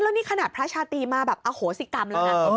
แล้วนี่ขนาดพระชาตรีมาแบบอโหสิกรรมแล้วนะ